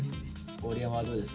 織山はどうですか？